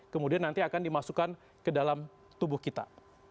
kemudian nanti akan dimasukkan ke dalam tubuh kita